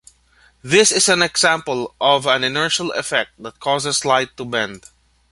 This is an example of an inertial effect that causes light to bend.